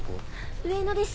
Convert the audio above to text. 上野です。